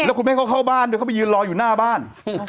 แล้วคุณแม่เขาเข้าบ้านด้วยเขาไปยืนรออยู่หน้าบ้าน